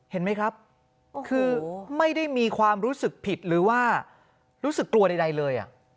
เห็นไหมครับคือไม่ได้มีความรู้สึกผิดหรือว่ารู้สึกกลัวใดเลย